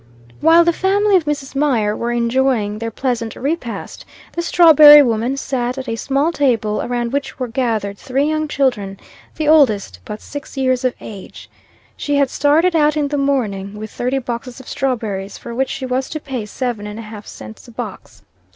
While the family of Mrs. Mier were enjoying their pleasant repast, the strawberry woman sat at a small table, around which were gathered three young children, the oldest but six years of age. She had started out in the morning with thirty boxes of strawberries, for which she was to pay seven and a half cents a box.